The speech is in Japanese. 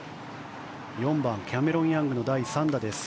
４番、キャメロン・ヤングの第３打です。